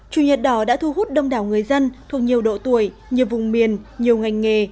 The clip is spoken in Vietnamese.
chủ nhật đỏ đã thu hút đông đảo người dân thuộc nhiều độ tuổi nhiều vùng miền nhiều ngành nghề